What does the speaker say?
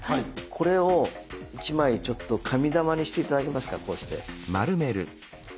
これを１枚ちょっと紙玉にして頂けますかこうして。